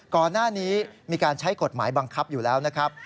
ก่อนหน้านี้มีการใช้กฎหมายบังคับอยู่แล้วนะครับ